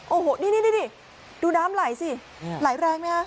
โอ้โหนี่ดูน้ำไหลสิไหลแรงไหมคะ